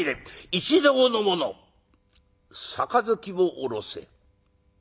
一同の者杯を下ろせ。